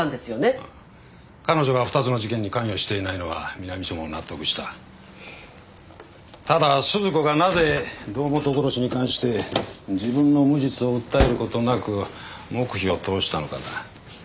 ああ彼女が２つの事件に関与していないのは南署も納得したただ鈴子がなぜ堂本殺しに関して自分の無実を訴えることなく黙秘を通したのかだ